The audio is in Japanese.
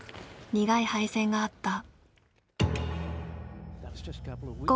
苦い敗戦があった。